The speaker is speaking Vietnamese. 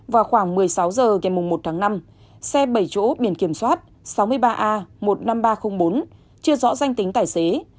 vào khoảng một mươi sáu h ngày một tháng năm xe bảy chỗ biển kiểm soát sáu mươi ba a một mươi năm nghìn ba trăm linh bốn chưa rõ danh tính tài xế